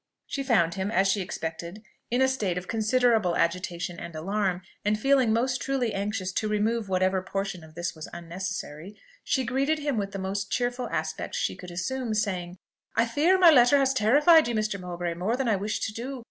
She found him, as she expected, in a state of considerable agitation and alarm; and feeling most truly anxious to remove whatever portion of this was unnecessary, she greeted him with the most cheerful aspect she could assume, saying, "I fear my letter has terrified you, Mr. Mowbray, more than I wished it to do.